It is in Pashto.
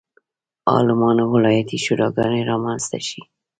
عالمانو ولایتي شوراګانې رامنځته شي.